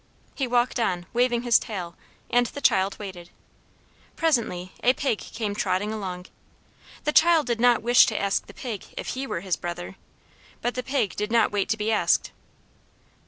He walked on, waving his tail, and the child waited. Presently a pig came trotting along. The child did not wish to ask the pig if he were his brother, but the pig did not wait to be asked.